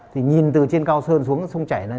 thì nhìn từ trên cao sơn xuống sông chảy này